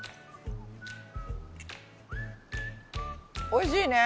おいしいね。